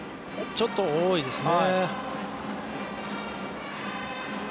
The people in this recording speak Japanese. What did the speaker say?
ちょっと多いですね。